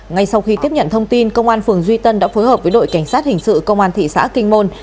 ngay sau khi tiếp nhận thông tin công an phường duy tân đã phối hợp với đội cảnh sát hình sự công an thị xã kinh môn